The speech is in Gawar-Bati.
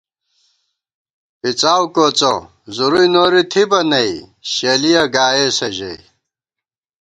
پِڅاؤ کوڅہ زُروئی نوری تھِبہ نئ شلِیہ گائیسہ ژَئی